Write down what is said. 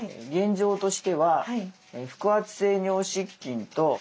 現状としては腹圧性尿失禁と